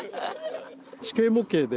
地形模型で。